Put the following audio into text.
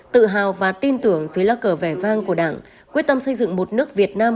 tự hào và tin tưởng dưới lá cờ vẻ vang của đảng quyết tâm xây dựng một nước việt nam